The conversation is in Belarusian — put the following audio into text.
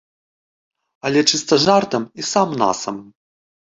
Але чыста жартам і сам-насам.